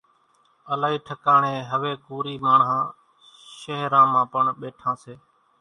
الائِي ٺڪاڻين هويَ ڪوري ماڻۿان شيۿران مان پڻ ٻيٺان سي۔